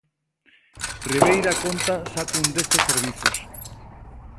Ribeira conta xa cun deste servizos.